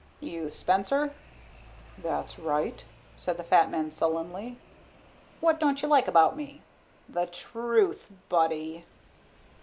"You Spencer?" "That's right," said the fat man sullenly. "What don't you like about me? The truth, buddy."